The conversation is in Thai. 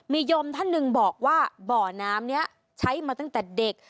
มีโยมท่านหนึ่งบอกว่าบ่อน้ำนี้ใช้มาตั้งแต่เด็ก